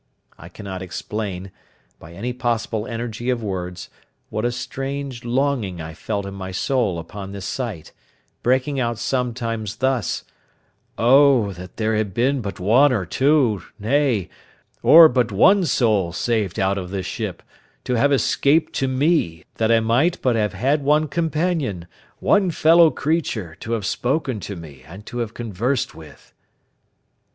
I cannot explain, by any possible energy of words, what a strange longing I felt in my soul upon this sight, breaking out sometimes thus: "Oh that there had been but one or two, nay, or but one soul saved out of this ship, to have escaped to me, that I might but have had one companion, one fellow creature, to have spoken to me and to have conversed with!"